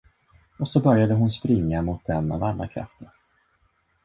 Och så började hon springa mot den av alla krafter.